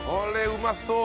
うまそう。